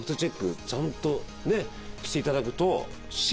ちゃんとねしていただくと。